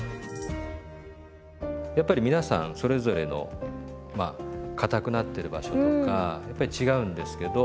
やっぱり皆さんそれぞれのまあかたくなってる場所とかやっぱり違うんですけど。